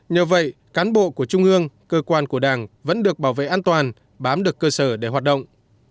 nhờ vậy cán bộ của trung ương cơ quan của đảng vẫn được bảo vệ an toàn bám được cơ sở để hoạt động